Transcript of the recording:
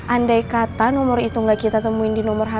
andai kata nomor itu gak kita temuin di rumah